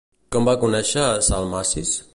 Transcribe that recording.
Com va conèixer a Salmacis?